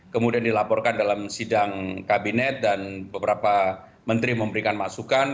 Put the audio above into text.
kemudian dilaporkan dalam sidang kabinet dan beberapa menteri memberikan masukan